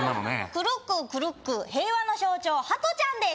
クルックークルックー平和の象徴ハトちゃんです